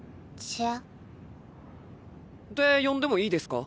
って呼んでもいいですか？